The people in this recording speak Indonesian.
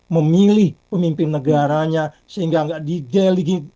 memilih pemimpin negaranya sehingga enggak dideligit